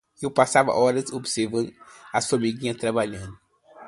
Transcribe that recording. Eu passava horas observando as formiguinhas trabalhando.